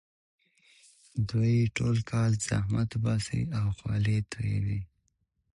دوی ټول کال زحمت وباسي او خولې تویوي.